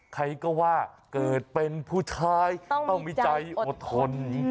ใครก็ว่าเกิดเป็นผู้ชายต้องมีใจอดทน